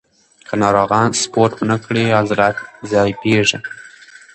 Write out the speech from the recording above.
که ناروغان سپورت ونه کړي، عضلات ضعیفېږي.